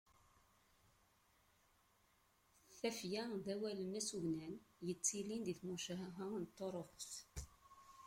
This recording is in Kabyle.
Tafya d awadem asugnan yettilin deg tmucuha n Tuṛuft.